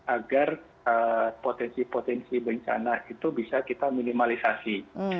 agar potensi potensi bencana itu bisa kita minimalisasi